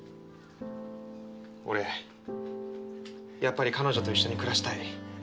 俺やっぱり彼女と一緒に暮らしたい。